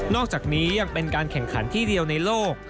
อกจากนี้ยังเป็นการแข่งขันที่เดียวในโลก